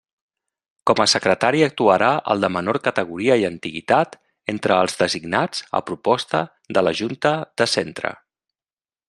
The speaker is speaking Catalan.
Com a secretari actuarà el de menor categoria i antiguitat entre els designats a proposta de la junta de centre.